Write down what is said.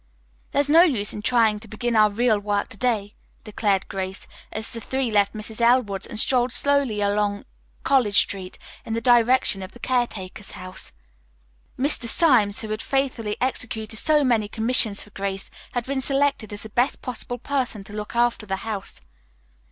"There is no use in trying to begin our real work to day," declared Grace, as the three left Mrs. Elwood's and strolled slowly along College Street in the direction of the caretaker's house. Mr. Symes, who had faithfully executed so many commissions for Grace, had been selected as the best possible person to look after the house.